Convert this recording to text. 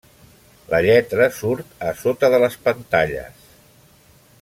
La lletra surt a sota de les pantalles.